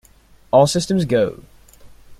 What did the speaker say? All Systems Go!